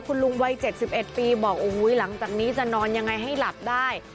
คุณลุงวัย๗๑ปีบอกโอ้โหหลังจากนี้จะนอนยังไงให้หลับได้